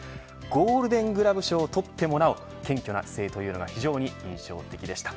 ゴールデングラブ賞を取ってもなお謙虚な姿勢というのが非常に印象的でした。